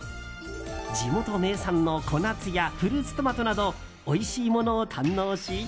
地元名産の小夏やフルーツトマトなどおいしいものを堪能し。